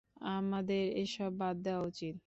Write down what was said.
আমাদের এসব বাদ দেওয়া উচিত।